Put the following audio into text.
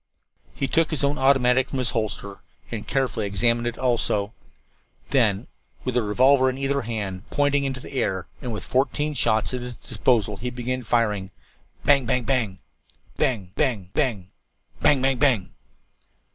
He took his own automatic from its holster and carefully examined it also. Then, with a revolver in either hand, pointing them into the air and with fourteen shots at his disposal, he began firing. Bang Bang Bang! Bang! Bang! Bang! Bang Bang Bang!